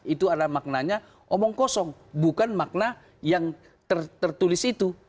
itu adalah maknanya omong kosong bukan makna yang tertulis itu